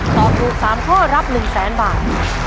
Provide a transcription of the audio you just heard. ตอบถูก๓ข้อรับ๑๐๐๐บาท